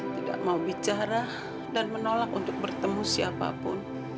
tidak mau bicara dan menolak untuk bertemu siapapun